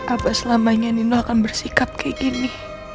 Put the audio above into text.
apa selamanya nino akan bersikap kayak gini